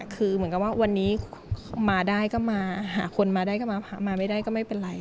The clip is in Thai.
คือเหมือนกับว่าวันนี้มาได้ก็มาหาคนมาได้ก็มาไม่ได้ก็ไม่เป็นไร